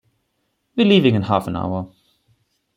We’re leaving in half an hour.